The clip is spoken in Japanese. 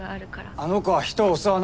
あの子は人を襲わない！